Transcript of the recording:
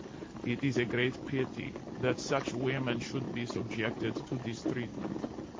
It is a great pity that such women should be subjected to this treatment.